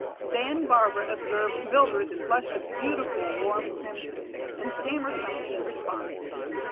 Then Barbara observed Mildred flush a beautiful, warm crimson, and stammer something in response.